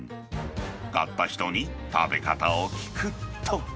買った人に食べ方を聞くと。